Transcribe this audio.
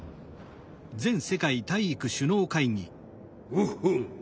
オッホン。